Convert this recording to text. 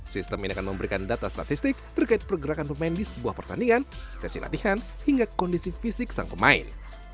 sistem ini akan memberikan data statistik terkait pergerakan pemain di sebuah pertandingan sesi latihan hingga kondisi fisik sang pemain